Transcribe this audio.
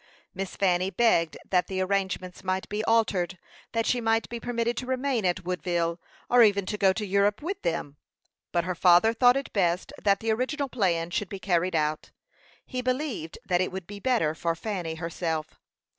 Miss Fanny begged that the arrangements might be altered; that she might be permitted to remain at Woodville, or even to go to Europe with them; but her father thought it best that the original plan should be carried out; he believed that it would be better for Fanny herself.